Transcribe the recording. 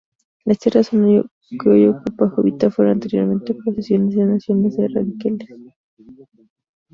Las tierras que hoy ocupa Jovita fueron anteriormente posesión de naciones de ranqueles.